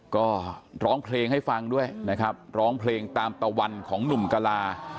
ก็ร้องเพลงให้ฟังด้วยนะครับร้องเพลงตามตะวันของหนุ่มกลา